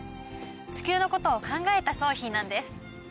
地球のことを考えた商品なんです。